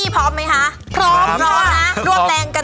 ว้าวจริงหรอ